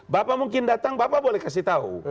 bapak mungkin datang bapak boleh kasih tahu